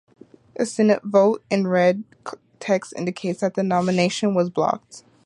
A Senate vote in red text indicates that the nomination was blocked.